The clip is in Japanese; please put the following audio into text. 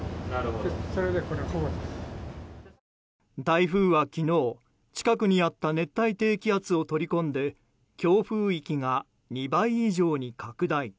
台風は昨日近くにあった熱帯低気圧を取り込んで強風域が２倍以上に拡大。